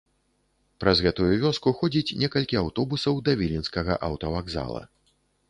Праз гэтую вёску ходзіць некалькі аўтобусаў да віленскага аўтавакзала.